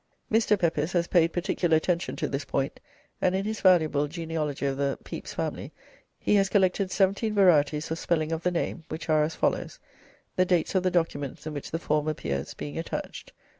Mr. Pepys has paid particular attention to this point, and in his valuable "Genealogy of the Pepys Family" (1887) he has collected seventeen varieties of spelling of the name, which are as follows, the dates of the documents in which the form appears being attached: 1.